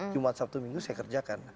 jumat sabtu minggu saya kerjakan